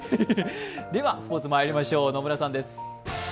スポーツまいりましょう、野村さんです。